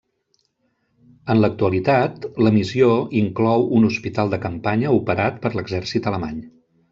En l'actualitat la missió inclou un hospital de campanya operat per l'Exèrcit alemany.